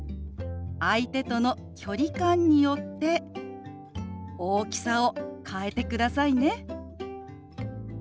相手との距離感によって大きさを変えてくださいね。